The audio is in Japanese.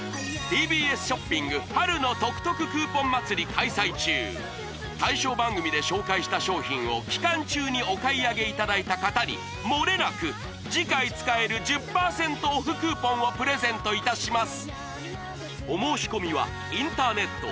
開催中対象番組で紹介した商品を期間中にお買い上げいただいた方にもれなく次回使える１０％オフクーポンをプレゼントいたします